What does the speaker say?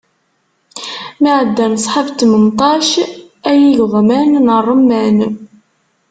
Mi ɛeddan sḥab n tmenṭac, ay igeḍman n remman.